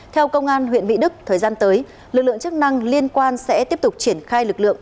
theo công an huyện mỹ đức thời gian tới lực lượng chức năng liên quan sẽ tiếp tục triển khai lực lượng